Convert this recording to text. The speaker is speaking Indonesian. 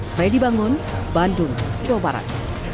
freddy bangun bandung jawa barat